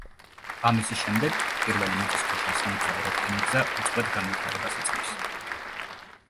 ამის შემდეგ პირველი მიწისქვეშა სამგზავრო რკინიგზა უწყვეტ განვითარებას იწყებს.